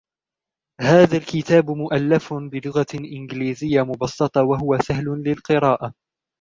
هذا الكتاب مؤلف بلغة إنجليزية مبسّطة و هو سهل للقراءة.